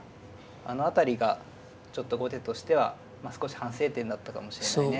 あの辺りがちょっと後手としては少し反省点だったかもしれないね。